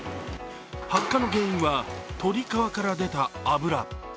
発火の原因は鶏皮から出た脂。